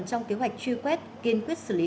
trong kế hoạch truy quét kiên quyết xử lý